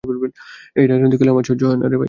এই রাজনৈতিক খেলা আমার সহ্য হয় না।